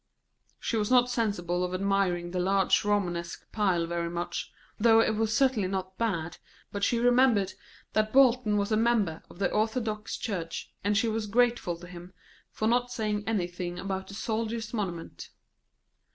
She was not sensible of admiring the large Romanesque pile very much, though it was certainly not bad, but she remembered that Bolton was a member of the Orthodox church, and she was grateful to him for not saying anything about the soldiers' monument.